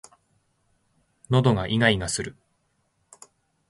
喉がいがいがする